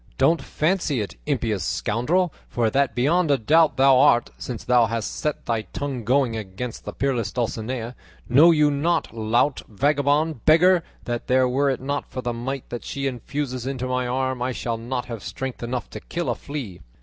Don't fancy it, impious scoundrel, for that beyond a doubt thou art, since thou hast set thy tongue going against the peerless Dulcinea. Know you not, lout, vagabond, beggar, that were it not for the might that she infuses into my arm I should not have strength enough to kill a flea?